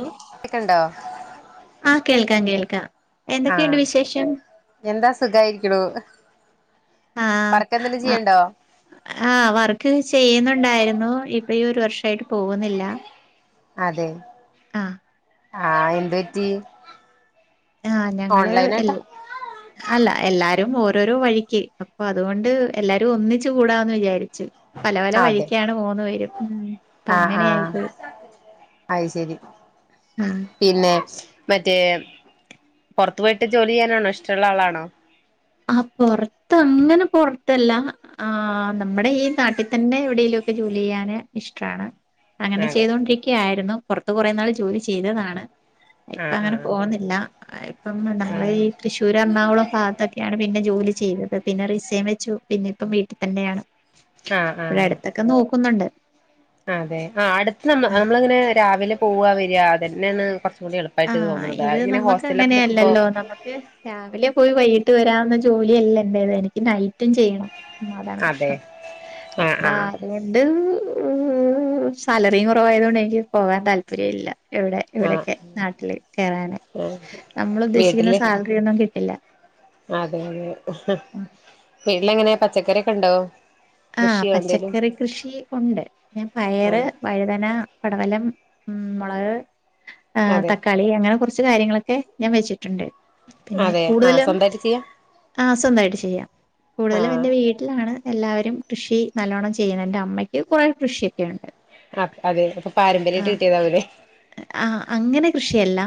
Hello ക്കണുണ്ടോ ആഹ് കേൾക്കാം കേൾക്കാം എന്തൊക്കെയുണ്ട് വിശേഷം എന്താ സുഖായിരിക്ക്ണു ആ വർക്ക് എന്തേലും ചെയ്യ്ണ്ടോ ആ വർക്ക് ചെയ്യുന്നുണ്ടായിരുന്നു ഇപ്പം ഈ ഒരു വർഷം സൈഡ് പോകുന്നില്ലാ അതെ ആ ആ എന്ത് പറ്റി ആ ഞങ്ങള് ഓൺലൈനായിട്ടാ എല്ല അല്ല എല്ലാ രും ഓരോരോ വഴിക്ക് അപ്പൊ അതുകൊണ്ട് എല്ലാരും ഒന്നിച്ച് കൂടാന്ന് വിചാരി ച്ചു പല പല വഴിക്കാണ് മൂന്ന് പേരും ഉം അപ്പൊ ആ അങ്ങനെ ആ ആയിപ്പോയി അത് ശരി ആഹ് പിന്നെ മറ്റേ പുറത്തു പോയിട്ട് ജോലി ചെയ്യാനാണോ ഇഷ്ടമുള്ള ആളാണോ ആ പൊറത്ത് ഒന്നിനും പൊറത്തല്ല ആ നമ്മുടെ ഈ നാട്ടിൽ തന്നെ എവിടേലുമൊക്കെ ജോലി ചെയ്യാന് ഇഷ്ടാണ് അങ്ങനെ അതെ ചെയ്തൊണ്ടിരിക്കയായിരുന്നു പുറത്ത് കുറേ നാൾ ജോലി ചെയ്തതാണ് ഇപ്പം ആഹ് അങ്ങനെ ആഹ് പോകുന്നില്ല ഇപ്പം നമ്മള് ആഹ് ഈ തൃശ്ശൂര് എറണാകുളം ഭാഗത്തൊക്കെ പിന്നെ ജോലി ചെയ്തത് പിന്നെ റിസൈൻ വെച്ചു പിന്നെ ഇപ്പം വീട്ടിൽ തന്നെയാണ് ആഹ് ഇവിടെ ആഹ് അടുത്തൊക്കെ നോക്കുന്നുണ്ട് അതെ ആ അടുത്ത് നമ്മൾ നമ്മളെങ്ങനെയാണ് രാവിലെ പോവാ വരിക അതന്നെയാണ് കൊ ആ ഇത് നമ്മുക്ക് നിക്കുമ്പോ അങ്ങനെയല്ലല്ലോ നമുക്ക് രാവിലെ പോയി വൈ കിട്ട് വരാവുന്ന ജോലിയല്ല എന്റേത് എനിക്ക് നൈറ്റും ചെയ്യണം ഉ അതാണ് അതെ പ്രശ്നം ആഹ് അപ്പൊ ആഹ് അതുകൊണ്ട് സാലറിയും കുറവായത് കൊണ്ട് എനിക്ക് പോകൻ താല്പര്യം ഇല്ല എവിടെ ഇവിടൊക്കെ ആഹ് നാട്ടില് കേറാന് നമ്മൾ ഉദ്ദേശിക്കുന്ന വീട്ടില് സാലറി ഒന്നും കി ത്തില്ല അതെ അതെ വീട്ടില് എങ്ങനെയാ പച്ചക്കറിയൊക്കെ ഉണ്ടോ ആ കൃഷിയോ എന്തേലും പച്ചക്കറി കൃഷി ഉണ്ട് പിന്നെ ആ പയറ് വഴുതന പടവലം ഉം വളരെ ആ അതെ തക്കാളി അങ്ങനെ കുറ കുറച്ചു കാര്യങ്ങളൊക്കെ ഞാൻ വെച്ചിട്ടുണ്ട് പിന്നെ അതെ ആ കൂടുതലും സ്വന്തായിട്ട് ചെയ്യാ ആ സ്വന്തായിട്ട് ചെയ്യാം ആ കൂടുതലും എന്റെ വീട്ടിലാണ് എല്ലാവരു കൃഷി നല്ലോണ്ണം ചെയ്യുന്നുണ്ട് അമ്മയ്ക്ക് കുറെ കൃഷിയൊക്കെയുണ്ട് അ അതെ അപ്പൊ പാരമ്പര്യായിട്ട് കിട്ടിയതാ ആ അങ്ങനെ കൃഷിയല്ല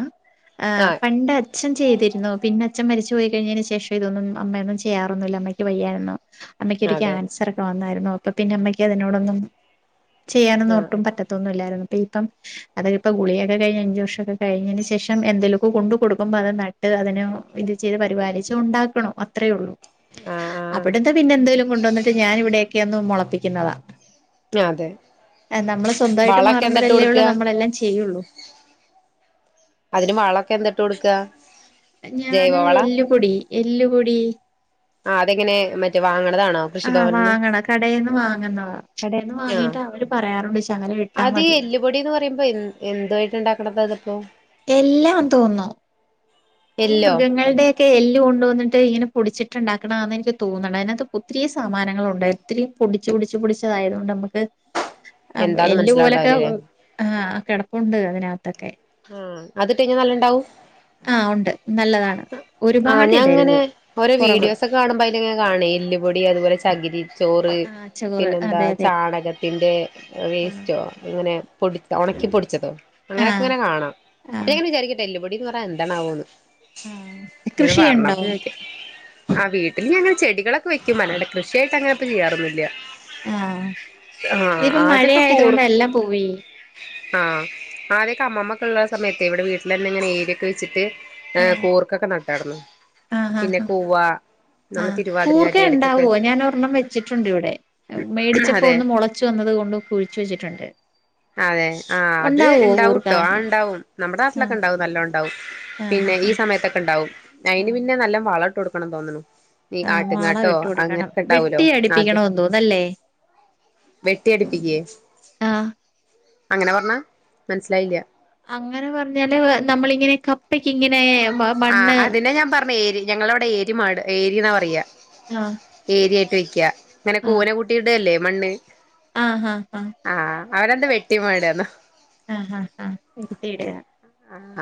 ആ പണ്ട് അച്ഛൻ ചെയ്തി പിന്നെ അച്ഛൻ മരിച്ചു പോയി കഴിഞ്ഞതിന് ശേഷം ഇതൊന്നും അമ്മയൊന്നും ചെയ്യറൊന്നുല്ല അമ്മയ്ക്ക് വയ്യാരുന്നു അമ്മക്ക് ഒരു അതെ ക്യാൻസർ ഒക്കെ വന്നായിരുന്നു ഇപ്പൊ പിന്നെ അമ്മയ്ക്ക് അതിനോടൊന്നും ആ ചെയ്യാനന്നൊട്ടും പറ്റത്തൊന്നുമില്ലായിരുന്നു ഇപ്പം അത് ഇപ്പ ഗുളികയൊക്കെ കഴിഞ്ഞ് അഞ്ച് വർഷമൊക്കെ കഴിഞ്ഞതിന് ശേഷം എന്തേലുമൊക്കെ കൊണ്ടു കൊടുക്കുമ്പോ അത് നട്ട് അതിന് ഇത് ചെയ്ത് പരിപാലിച്ച് ഉണ്ടാക്കണം അത്രേയുള്ളൂ ആ ആ അവിടെന്താ പിന്നെ എന്തേലും കൊണ്ടുവന്നിട്ട് ഞാൻ ഇവിടെയൊക്കെയൊന്ന് മുള പിക്കുന്നതാ അതെ നമ്മള് സ്വന്തമായിട്ട് വളൊക്കെ എന്താട്ട് മാറുമ്പോഴല്ലേ കൊടുക്ക ഉള്ളൂ നമ്മളെല്ലാം [inaudible] യ്യള്ളൂ അതിന് വളൊക്കെ എന്തിട്ട് കൊടുക്കാ ഞാന് എല്ലുപൊടി എല്ലുപൊടി ആ അതെങ്ങനെ മറ്റേ വാങ്ങ ആവാങ്ങണ കടേന്ന് വാങ്ങുന്നതാ കടേന്ന് ആ വാങ്ങീട്ട് അവര് പറയാറുണ്ട് ശകലം ഇട്ടാ അത് മതിയന്ന് എല്ലുപൊടിന്ന് പറയുമ്പോ എ [unintelligible] എല്ലാ തോന്നുന്നു ഈ എല്ലോ മൃഗങ്ങളുടെ ഒക്കെ എല്ല് കൊണ്ടോന്ന ഇങ്ങനെ പൊടിച്ചിട്ടുണ്ടാക്കണാന്ന് എനിക്ക് തോന്നണ് അതിനാത്ത് ഒത്തിരീ സാമാനങ്ങളുണ്ട് ഒത്തിരി പൊടിച്ച് പൊടിച്ച് പൊടിച്ചതായതുകൊണ്ട് നമുക്ക് ആ എന്താന്ന് എല്ലുപോലൊക്കെ മനസ്സിലാവണ്ടാവില്ലല്ലേ ആകിടപ്പുണ്ട് അ ആ അതിട്ട ഇങ്ങെ നല്ലണ്ടാവു ആഹ് ഉണ്ട് നല്ലതാണ്. ഒരുപാട് ആഞാങ്ങനെ ഇടരുത് ഓരോ കുറവ്. വീഡിയോസ് ഒക്കെ കാണുമ്പോ അതിലങ്ങെ കാണ ഇല്ലുപൊടി അതുപോലെ ചകിരി ചോറ് ആഹ് ചോറ് പിന്നെന്താ അതെ അതെ. ചാണകത്തിന്റെ ആഹ് വേസ്റ്റോ ഇങ്ങനെ പൊടിച്ച ഉണക്കി പൊടിച്ചതോ? ആഹ് ഇങ്ങനെ കാണാം ആഹ് അപ്പിങ്ങനെ വിചാരിക്കട്ടെ എല്ല് എന്ന് പറ എന്താണാവോന്ന് ആഹ് കൃഷിയുണ്ടോ? ആ വീട്ടില് ഞാൻ ഇങ്ങനെ ചെടികളൊക്കെ വെക്കും അല്ലാണ്ട് കൃഷിയായിട്ട് അങ്ങനെപ്പൊ ചെയ്യാറൊന്നില്ല ആഹ് ഇതിപ്പോ ആദ്യൊക്കെ കൂർ മഴയായത്കൊണ്ട് എല്ലാം പോയി ആഹ് അ അമ്മാമ്മക്കള്ളെ സയത്ത് ഇവിടെ വീട്ടിൽന്നെങ്ങനെഏരിയൊക്കെച്ചിട്ട് ആ ആഹ് കൂർക്കക്കെ ന ചടണം ആഹ് ആ ഹാ നമ്മള് ആഹ് തിരുവാതിര കൂർക്ക ചാറ്റുവേലക്കൊക്കെ ഉണ്ടാവുവോ ഞാൻ ഒർണ്ണം വെച്ചിട്ടുണ്ട് ഇവിടെ മേടിച്ചപ്പോ അതെ ഒന്ന് മുളച്ചു വന്നത് കൊണ്ട് കുഴിച്ചു വെച്ചിട്ടുണ്ട് അതെ ആ അത് ഉണ്ടാവോ കൂർക്ക ഉണ്ടാവുംട്ടോ ആ ഉണ്ടാവും നമ്മുടെ നാട്ടിലൊക്കെ ആഹ് ഉണ്ടാവും നല്ല ഉണ്ടാവും ആഹ് പിന്നെ ഹാ ഈ സമയത്തൊക്കെ ഉണ്ടാവും ഹാ അയിന് പിന്നെ നല്ല വളട്ട് കൊടു ആണം തോന്നണു ഈ ആഹ് മാള ആട്ടുംകാട്ടോ വിട്ട് കൊടുക്കണം അങ്ങനെക്കെ ഇണ്ടാവലോ വെട്ടി അത് അടിപ്പിക്കണോന്ന് തോന്നല്ലേ വെട്ടിയടിപ്പിക്കയേ ആഹ് അങ്ങനെ പറഞ്ഞാ മനസ്സിലായില്ല അങ്ങനെ പറഞ്ഞാല് നമ്മളിങ്ങനെ കപ്പയ്ക്ക് ഇങ്ങനെ ആഹ് മണ്ണ് അതിനെ ഞാൻ പറഞ്ഞു ഏരി ഞങ്ങളവിടെ ഏരി മാട് ഏരി ന്നാ പറയ ആഹ് ഏരിയ ട്ടിക്ക്യ ഇങ്ങനെ ആഹ് കൂനകൂട്ടി ഇടെ അല്ലേ? മണ്ണ് ആഹ് ആഹ് ആ ആഹ് അവരെന്താ വെട്ടി മാടന്നോ ആഹ് ആഹ് ആഹ് [unintelligible]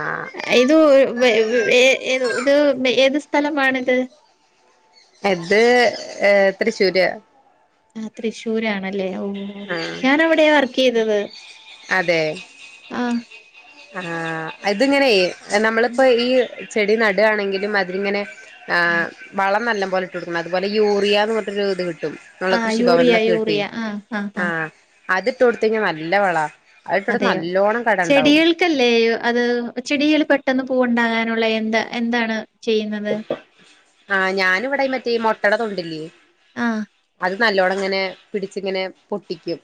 ആഹ് ഏതോ [unintelligible] ഏത് ഇത് ഏത് സ്ഥലമാണിത്? എത് ഏ തൃശ്ശൂര് ആഹ് തൃശ്ശൂർ ആണ ല്ല ഓ ഞാനവിടെ വർക്ക് ചെയ്തത് ആഹ് ആഹ് ഇതിങ്ങനെ ഉം നമ്മളിപ്പോ ഈ ചെടി നുട്വാണെങ്കിലും അതിങ്ങനെ ആ ആഹ് വളം നല്ല. പോലെ ഇട്ടു കൊടുക്കുന്നത്, അതുപോലെ യൂറിയ എന്ന പറഞ്ഞിട്ട് ഒരു ഇത് കി കിട്ടും വളം ആഹ് കൃഷി യൂറിയ ഭവനിനെയൊക്കെ യൂറിയ കിട്ടും ആഹ് ആഹ്. അതിട്ട് കൊടുത്ത കഴിഞ്ഞാൽ നല്ല വളം. അതിട്ടുകൊടു നല്ലോണം കട ഉണ്ടാവും. ക്കില്ലേ അത് ചെടിയിൽ പെട്ടെന്ന് പൂവുണ്ടാകാനുള്ള എന്താ എന്താണ്. ചെയ്യുന്നത് ആഹ് ഞാനെവിടെ മറ്റേ മുട്ടയുടെ തൊണ്ടില്ലേ. ആഹ് അത് നല്ലോണം ഇങ്ങനെ പിടിച്ച ഇങ്ങനെ പൊട്ടിക്കും.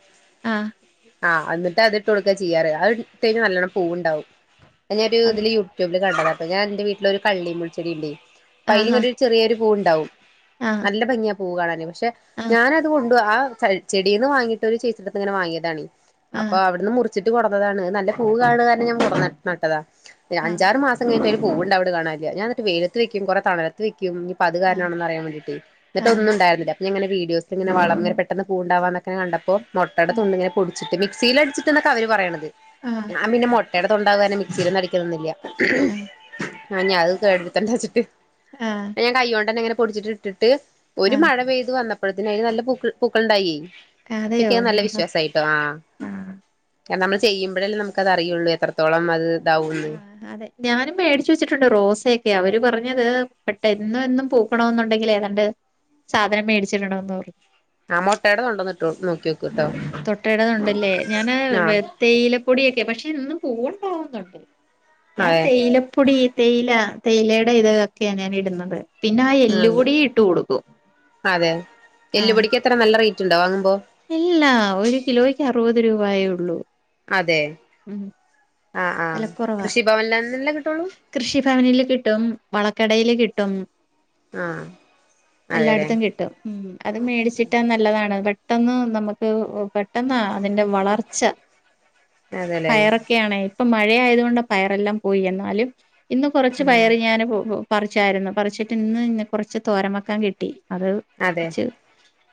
ആഹ് ആഹ് എന്നിട്ട് അതിട്ട് കൊടുക്കാ ചെയ്യാറ് അത് ഇട്ട് കഴിഞ്ഞ നല്ലോണ്ണം പൂവുണ്ടാവും. ഞാൻ ഒരു അതെ ഇതില് യൂട്യബ് കണ്ടതല്ലേ ഞാൻ എന്റെ വീട്ടിലൊരു ഒരു കള്ളിമുള്ള്. ചെടിയില്ലേ [unintelligible] ആഹ് ഒരു ചെറിയൊരു. ഉണ്ടാവും ആഹ് നല്ല ഭംഗിയാ പൂവഴക്ക് പക്ഷെ ആഹ് ഞാനതുകൊ ആ ച ചെടിനെ വാങ്ങിട്ട് ഒരു ചേച്ചിടെയടുത്ത് ഇങ്ങനെ വങ്ങിയതാണ്. അപ്പൊ ആഹ് അവിടുന്ന് കുറ വെച്ചിട്ട് കൊണ്ടുന്നതാണ് നല്ല പൂവാണ് ഞാൻ കുറേ നടുത്. ആഹ് അഞ്ചാറ് മാസം കഴിഞ്ഞു വരും. പൂവുണ്ട് അവിടെ കാണാനില്ല. [unintelligible] വേയിലത്ത് വെക്കും കുറെ തണുലത്ത് വക്കും. ക്കും അത് ആഹ് കാരണമാണോ അറിയാൻ വേണ്ടീട്ട് എന്നിട്ട് ആഹ് ഒന്നും ഉണ്ടായിരുന്നില്ല. പിന്നീങ്ങനെ വീഡിയോസ് ഇങ്ങനെ വളർന്ന പെട്ടെന്നു പൂയുണ്ടുവാ എന്നൊക്കെ കണ്ടപ്പോൾ. മൊട്ടയുടെ തൊണ്ടി ഇങ്ങനെ. വച്ച് മിക്സിൽ അടിച്ചിട്ടാണ് അവര് പറയണത്. ആഹ് ഞാൻ പിന്നെ മൊ ഇടത് ഉണ്ടുവാന് മിക്സില് അടിക്കണമൊന്ന് ഇല്ല. ആഹ് [unintelligible] [inaudible] തണ്ട് വെച്ചിട്ട് അത് ഞാൻ കൈക്കൊണ്ട് ഇങ്ങനെ. പൊടിച്ചിട്ടു ഇട്ടിട്ട് ഒരു ആഹ് മഴ പെയ്തു വന്നപ്പോ അപ്പഴത്തിനായി നല്ല പ പക്കളുണ്ടായി ആഹ് അതെയോ അപ്പിക്ക നല്ല ആഹ് വിശ്വാസായിട്ടോ ആഹ ആഹ് കാരണം നമ്മ ചെയുമ്പഴേ നമുക്ക അറിയുള്ള എത്രത്തോളം അത് ഇതാവുള്ളു ആഹ് അതെ ഞാനും മേടിച്ചച്ച് വെച്ചിട്ടുണ്ട് റോസയൊക്കെ അവര് പറഞ്ഞത് പെട്ടന്ന് പൂക്കണം എന്നുണ്ടെങ്കിൽ ഏതാണ്ട് സാധനം മേടിച്ചിട്ടുണ്ടോന്ന് പറഞ്ഞു ആ മുട്ടേട നിന്ന ഉണ്ടോന്നിട്ടോ നോക്കി നോക്കൂട്ടോ തൊട്ടയിടന്നുണ്ടല്ലേ ഞാന് ആഹ് തേയില പൊടിയൊക്കെ പക്ഷെ നിന്നന്ന് പോ ആ കണ്ടു ഞാൻ അതെ തേയിലപ്പൊടി തേയില തേയിലയുടെ ഇത്ക്കെയാ ഞാൻ ഇടുന്നത് പിന്നെ ആ എല്ല് ആഹ് കൂടി ഇട്ട് കൊടുക്കും ആഹ ഉണ്ടാങ്ങുമ്പോ എല്ലാ ഒരു കിലോയ്ക്ക് അറുപത് രൂപയേ ഉള്ളൂ അതെ ഉം ആഹ് ആഹ് വിലക്കുറവാ കൃഷിഭവനിലന്നല്ലേ കിട്ടുള്ളൂ കൃഷിഭവനിൽ കിട്ടും വളം കടയിൽ കിട്ടും ആഹ് അതെല്ലേ എല്ലായിടത്തും കിട്ടും അത് മേടിച്ചിട്ട് നല്ലതാണ് പെട്ടെന്ന് നമുക്ക് പെട്ടെന്ന് അതിന്റെ വളർച്ച അതെല്ലേ പയറൊക്കെയ ആണേ ഇപ്പൊ മഴ ആയതുകൊണ്ട് പയർ എല്ലാം പോയി എന്നാലും- ഇന്ന് കുറച്ച് ഉം പയറ് ഞാന് പോകും പറിച്ചായിരുന്നു പറിച്ചിട്ട് ഇന്ന് ഇ കുറച്ച് തോരൻ വയ്ക്കാൻ കിട്ടി അത് അതെ വെച്ച്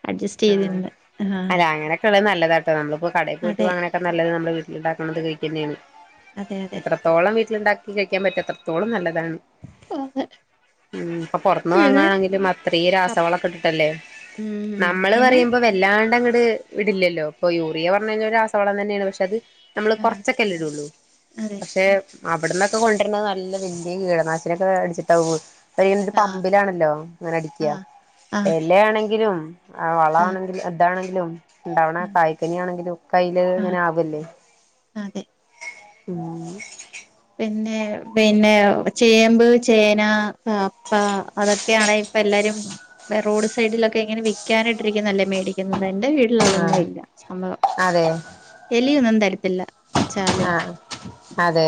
അഡ്ജസ്റ്റ് ആ ചെയ്ത് നിന്ന് ആഹ് അല്ല അങ്ങനൊക്കെള്ളത് നല്ലതാണ് കേട്ടോ നമ്മളിപ്പോ കടയിൽ പോയിട്ട പോ അതെ അങ്ങനെയൊക്കെ നല്ലത് നമ്മ ഈണ്ടാക്കണുന്നത് കഴിക്ക തന്നെയാണ് അതെ അതെ എത്രത്തോളം വീട്ടിലുണ്ടാക്കി കഴിക്കാൻ പറ്റും അത്രത്തോളം ഓളും പുറത്തുനിന്നും പിന്നെ വാങ്ങണെങ്കിലും അത്ര ക ട്ടല്ലേ ഉം നമ്മള് പറയ പിന്നെ മോ വല്ലാ വല്ലാണ്ടഅങ്ങട് ഇടില്ലല്ലോ പ്പൊ യൂറിയ പറഞ്ഞകയ്ഞ്ഞ ഒരു ആസവളം തന്നെയാണ് പക്ഷെ അത് നമ്മള് ആഹ് കൊറച്ചൊക്കെല്ലേ ഇടള്ളൂ അതെ പക്ഷെ അവിടന്നൊക്കെ കൊണ്ടു നല്ല വല്യ കീടനാശിനൊ ഒക്കെ അടിച്ചിട്ടാ അയെന്ദ് ആഹ് പമ്പിലാണല്ലോ ഇങ്ങനെ അടിക്ക ആഹ് ആഹ് എല്യാണ് എങ്കിലും ആ ആഹ് വളാണെങ്കില് അതാണെ ലം ണ്ടാവണ ആഹ് കായ്ക്കന്യാണെങ്കിലൊക്കയ്ല് ആഹ് ഇങ്ങനെ ആവല്ലേ അതെ ഉം പിന്നെ പിന്നെ ചേമ്പ് ചേന പപ്പ അതൊക്കെയാണ് ഇപ്പ എല്ലാരും റോഡ് സൈഡിലൊക്കെ ഇങ്ങനെ വിക്കാനിട്ടിരിക്കുന്നല്ലേ മേടിക്കുന്നത് ന്റെ ആഹ് വീട്ടിലതൊന്നുല്ല സംഭവം എലിയൊന്നും തരത്തില്ല വെച്ചാലും ആ അതെ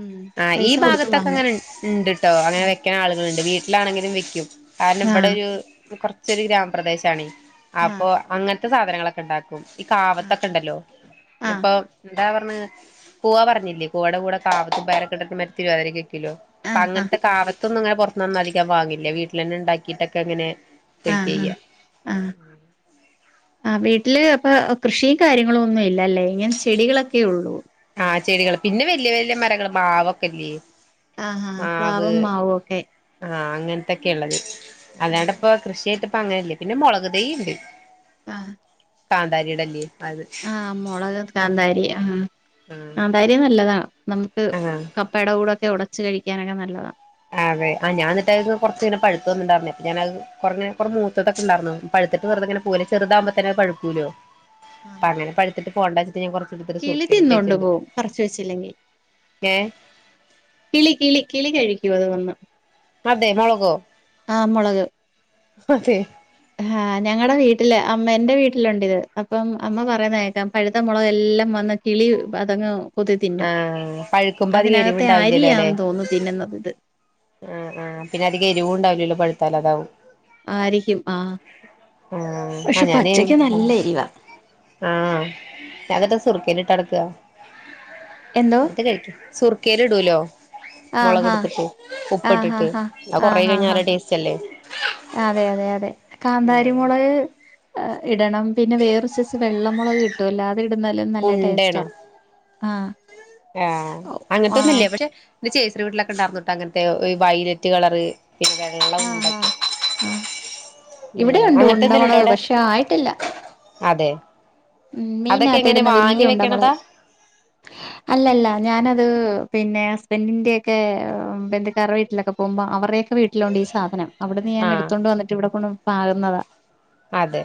ഉം ആ ഈ പൈസ കൊടുത്ത് വാങ്ങും ഭാഗത്തൊക്കെങ്ങനെ ണ്ട്ട്ടോ അങ്ങനെ വെക്കണ ആളുകളുണ്ട് വീ ലാണെങ്കിലും വെക്കും കാരണം ഇവിടെ ആഹ് ഒരു കൊർ ച്ചൊരു ഗ്രാമപ്രദേശാണ്. അപ്പൊ ആഹ് അങ്ങനെ സാധനങ്ങളക്കെണ്ടാ ക്കും ഈ ആഹ് കാവത്തൊക്കെ ഉണ്ടല്ലോ ഇപ്പൊ എന്താ പറഞ്ഞ പൂവ പറഞ്ഞില്ലേ പൂവാടെ കൂടെ കാവ പാരക്കട്ടത്ത് മറ്റ് [unintelligible] ത്തിലോ ആഹ് ആഹ് ആഹ് അങ്ങനത്തെ കാവത്ത് ന്നങ്ങന പുറത്തുനിന്നൊന്നതികം വീട്ടിൽന്നെ ഉണ്ടാക്കിട്ടൊക്കെങ്ങനെ ആഹ ആ ആ വീട്ടില് ഇപ്പ കൃഷിയും കാര്യങ്ങളും ഒന്നും ഇല്ലല്ലേ ഇങ്ങനെ ചെടികളൊക്കെള്ളൂ. ആ ചെടികള് പിന്നെ വല്യ വല്യ മരങ്ങൾ മാവൊക്കെല്ലേ? ആഹാ മാവ് പ്ലാവം മാവേ ഒക്കെ ആഹ് അങ്ങനത്തൊക്കെ ഉള്ളത്. അതാട ആഹ് ഇപ്പ കൃഷിയായിട്ട് ഇ പ്പ അങ്ങനെയല്ലേ പിന്നെ മുളക് തെയ്ണ്ട്. ആ കാന്താരിടല്ലേ അത് ആഹ് മുളക് കാന്താരി ആഹ് ആഹ് കാന്താരി നല്ലതാ നമുക്ക് ആഹ് കപ്പേടെ കൂടൊ ഒക്കെ ഉടച്ച് കഴിക്കാനൊക്കെ നല്ലതാ അതെ ആ ഞാന്നിട്ട്ത് കൊറച്ച് ഇങ്ങെനെ പഴുത്ത് വന്നിണ്ടായിരുന്നേ അപ്പം ഞാനത് കൊറേ മൂത്തൊതെക്കെണ്ടായിരുന്നു പഴുത്തിട്ട് വെറുത ഇങ്ങനെ പോരാ ചെറുതാകുമ്പോത്തന്നെ അത് പഴുക്കൂല്ലോ ആഹ് അപ്പങ്ങനെ പഴ് ത്തിട്ട് പോണ്ട കിളി തിന്നൊണ്ട് പോകും പറിച്ച് വെച്ചില്ലെങ്കിൽ ഏഹ് കിളി കിളി കിളി കഴി ക്കു അത് വന്ന് അതെ മൊളകോ ഹതെ ഹാ ഞങ്ങടെ വീട്ടില് അമ്മ എന്റെ വീട്ടിലുണ്ട് ഇത് അപ്പം അമ്മ പറയുന്നേക്കാം പഴുത്ത മുളക് എല്ലാം വന്ന് കിളി അതങ്ങ് കൊത്തി തിന്നും ആഹ് പഴുക്കുമ്പോ അധികം അതിനകത്തെ എരിവുണ്ടാവില്ലല്ലോ അല്ലെ അരിയാന്ന് തോന്നുന്നു തിന്നുന്നത് ഇത് ആഹ് ആഹ് പിന്നെ അധികം എരിവും ഉണ്ടാവില്ലല്ലോ പഴുത്താല് അതാവും ആരിക്കും ആഹ് ആഹ് പക്ഷെ ആഹ് പച്ചക്ക് ഞാന് നല്ല എരിവാ അതൊക്കെ സുർക്കേൽ ഇട്ടടക്കാ എന്തോ [unintelligible] കഴിക്കും സുർ ക്കേലിടൂല്ലോ ആഹ് മുളക് ഹാ ഇട്ത്തിട്ട് ആഹ് ഹാ ആഹ് ഹാ ഹാ ടേസ്റ്റല്ലേ അതെ അതെ അതെ കാന്താരിമുളക് ഇടണം പിന്നെ വേറൊരു സൈസ് വെള്ളമുളക് കിട്ടുവല്ലോ അതിടു ന്നാലും നല്ല ടേസ്റ്റാ ഉണ്ടേണോ ആഹ് ആഹ് അങ്ങനത്തെ ഒന്നുംല്ല ആഹ് പക്ഷെ ഇത് [unintelligible] ന്റെ വീട്ടിലൊക്കെ ഉണ്ടായിന്നോട്ടോ അങ്ങനത്തെ വൈലറ്റ് കളറ് പിന്നെ വെള്ള ആഹ് ഉണ്ട ഹാ ക്കെ ആഹ് ഇവിടെയുണ്ട് ഉണ്ടമുളക് പക്ഷെ ആയിട്ടില്ല [unintelligible] ഉം അതൊക്കെ എങ്ങനെ മീനകത്തിടുന്ന വാങ്ങി വെക്കണതാ വല്യുണ്ടമുളക് അല്ലല്ല ഞാന് ത് പിന്നെ ഹസ്ബൻഡിന്റെയൊക്കെ ബന്ധുക്കാരുടെ വീട്ടിലൊക്കെ പോകുമ്പോ അവരുടൊക്കെ വീ ട്ടി ലൊണ്ട് ഈ സാധനം അവിടുന്ന് ഞാൻ ആഹ് എടുത്തോണ്ട് വന്നിട്ട് ഇവിടെ കൊണ്ടു പാകുന്നതാ അതെ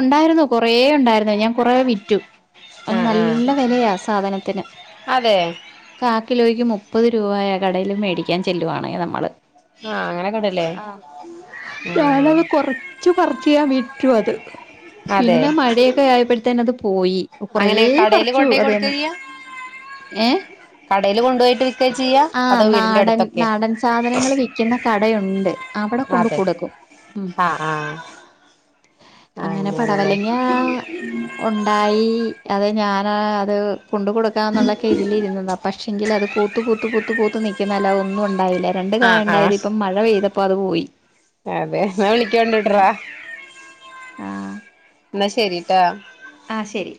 ഉണ്ടായിരുന്നു കുറേ ഉണ്ടായിരുന്നു ഞാ കുറേ വിറ്റു അത് ആഹ് ആഹ് നല്ല വിലയാ സാധനത്തിന് അതെ കാ കിലോയ്ക്ക് മുപ്പത് രൂപയാ കടയിലും മേടിക്കാൻ ചെല്ലുവാണെങ്കിൽ നമ്മൾ ആഹ് അങ്ങനൊക്കെണ്ടല്ലേ ആ ആഹ് ഞാനത് കൊറച്ചു പറ [unintelligible] റ്റു അത് അതെ പിന്നെ മഴയൊക്കെ ആയപ്പഴേ [unintelligible] പോയി കുറേ അങ്ങനെ കടേല് പറിച്ചു കൊണ്ടോയി കൊടുക്കാ അതേന്ന് ചെയ്യാ ഏ കടേല് കൊണ്ടുപോയിട്ട് വിൽക്കാ ചെയ്യാ ആഹ് അതോ വീടിന്റെ നാടൻ അടുത്തൊക്കെ നാടൻ സാധനങ്ങൾ വിൽക്കുന്ന കടയുണ്ട് അവിടെ കൊണ്ട് അതെ കൊടുക്കും ഉ അങ്ങനല്ലേ? ഉണ്ടായി അത് ഞാൻ ഏഹ് അത് കൊണ്ട് കൊടുക്കാ എന്നുള്ളൊക്കെ ഇതിൽ ഇരുന്നതാണ് പക്ഷെങ്കിൽ അത് പൂത്ത് പൂത്ത് പൂത്ത് പൂത്ത് നിൽക്കുന്ന അല്ലാതെ ഒന്നും ഒണ്ടാ ണ്ടായില്ല രണ്ട് കായ ആഹ് ഉണ്ടായത് ആഹ് ഇപ്പ മഴ പെയ്തപ്പോ അത് പോയി അതെ എന്നാ ഉം വിളിക്കോണ്ടിട്രാ ആഹ് എന്നാ ശരിട്ടാ. ആ ശരി.